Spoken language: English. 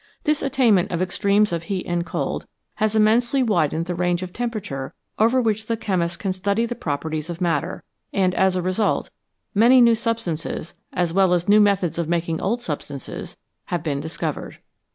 This attainment of extremes of heat and cold has immensely widened the range of temperature over which the chemist can study the properties of matter, and as a result many new substances, as well as new methods of making old substances, have been discovered.